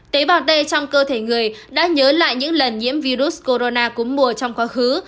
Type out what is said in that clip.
tế bào t trong cơ thể người đã nhớ lại những lần nhiễm virus corona cúm mùa trong quá khứ